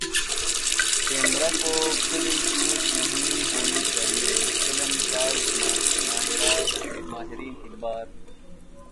پیمرا کو کھلی چھوٹ نہیں ہونی چاہیے فلم ساز مہرین جبار